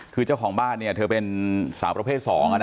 คือเจ้าของบ้านเธอเป็นสาวประเภท๒